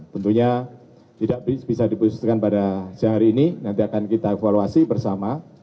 tentunya tidak bisa diputuskan pada siang hari ini nanti akan kita evaluasi bersama